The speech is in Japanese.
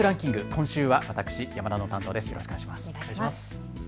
今週は私、山田の担当です。